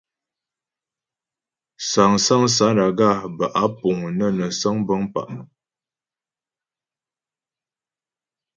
Sáŋsaŋ sánaga bə́ á puŋ nə́ nə səŋ bəŋ pa'.